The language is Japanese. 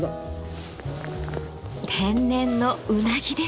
天然のうなぎです！